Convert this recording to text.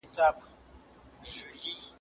د نفقې نه شتون د تفريق مهم سبب دی.